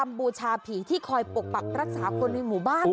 บูชาผีที่คอยปกปักรักษาคนในหมู่บ้าน